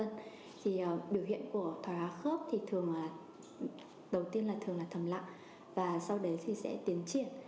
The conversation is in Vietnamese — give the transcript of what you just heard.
thì biểu hiện của thói hóa khớp thì thường là đầu tiên là thường là thầm lặng và sau đấy thì sẽ tiến triển